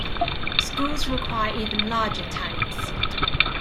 Schools require even larger tanks.